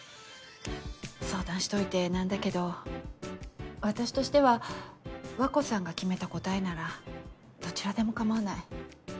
相談しといて何だけど私としては和子さんが決めた答えならどちらでも構わない。